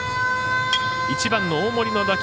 １番の大森の打球。